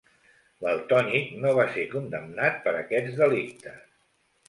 Valtònyc no va ser condemnat per aquests delictes.